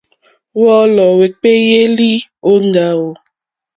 Wɔ́ɔ́lɔ̀ wókpéélì ó ndáwò.